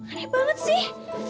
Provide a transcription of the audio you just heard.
aneh banget sih